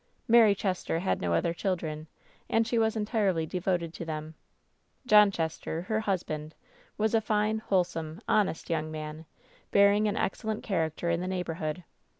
"Mary Chester had no other children, and she was entirely devoted to them. John Chester, her husband, was a fine, wholesome, honest young man, bearing an excellent character in the neighborhood.